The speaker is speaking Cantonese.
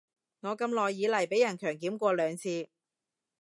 我咁耐以來被人強檢過兩次